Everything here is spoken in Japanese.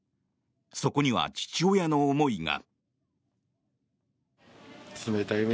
そこには父親の思いが。